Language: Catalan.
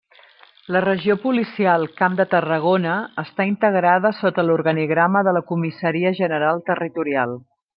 La Regió Policial Camp de Tarragona està integrada sota l'organigrama de la Comissaria General Territorial.